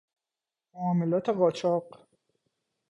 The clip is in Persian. معاملات قاچاق